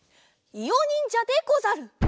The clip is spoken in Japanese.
いおにんじゃでござる！